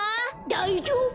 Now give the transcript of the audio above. だいじょうぶ。